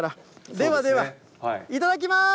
ではでは、いただきます。